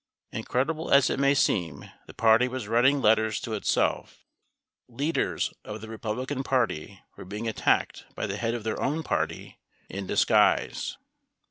9 Incredible as it may seem the party was writing letters to itself, leaders of the Republican Party were being attacked by the head of their own party ... in disguise.